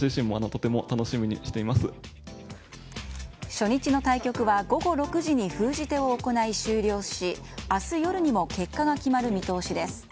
初日の対局は午後６時に封じ手を行い、終了し明日夜にも結果が決まる見通しです。